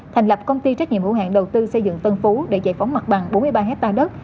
thành lập công ty trách nhiệm hữu hạn đầu tư xây dựng tân phú để giải phóng mặt bằng bốn mươi ba hectare đất